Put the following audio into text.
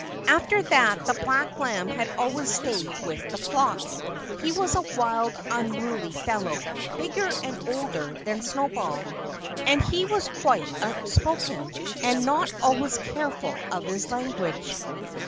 After that the black lamb had always stayed with the flock. He was a wild, unruly fellow, bigger and older than Snowball. And he was quite outspoken and not always careful of his language.